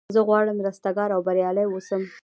زه غواړم رستګار او بریالی اوسم.